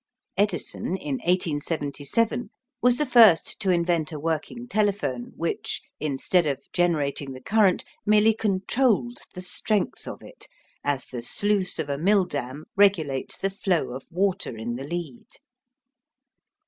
Edison, in 1877, was the first to invent a working telephone, which, instead of generating the current, merely controlled the strength of it, as the sluice of a mill dam regulates the flow of water in the lead.